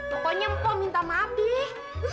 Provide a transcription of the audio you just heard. pokoknya mpok minta mabih